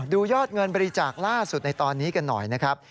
ยอดเงินบริจาคล่าสุดในตอนนี้กันหน่อยนะครับ